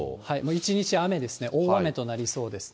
一日雨ですね、大雨となりそうです。